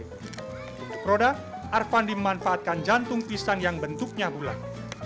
untuk roda arvandi memanfaatkan jantung pisang yang bentuknya bulat